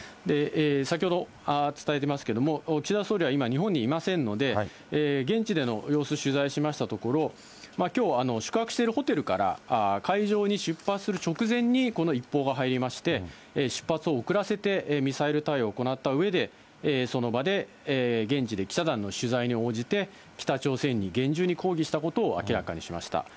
先ほど伝えてますけれども、岸田総理は今、日本にいませんので、現地での様子取材しましたところ、きょう、宿泊しているホテルから会場に出発する直前に、この一報が入りまして、出発を遅らせてミサイル対応を行ったうえで、その場で現地で記者団の取材に応じて、北朝鮮に厳重に抗議したことを明らかにしました。